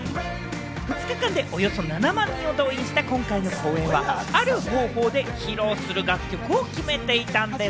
２日間でおよそ７万人を動員した今回の公演は、ある方法で披露する楽曲を決めていたんです。